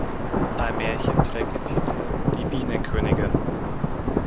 Ein Märchen trägt den Titel "Die Bienenkönigin".